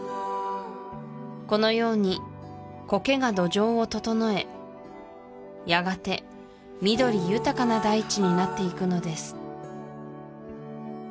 このようにコケが土壌をととのえやがて緑豊かな大地になっていくのです